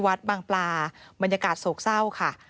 วัดบางปลาบรรยากาศโจรใส้ค่ะ